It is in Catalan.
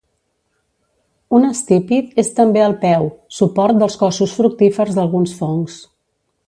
Un estípit és també el peu, suport dels cossos fructífers d'alguns fongs.